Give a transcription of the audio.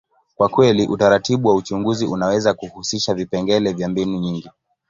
kwa kweli, utaratibu wa uchunguzi unaweza kuhusisha vipengele vya mbinu nyingi.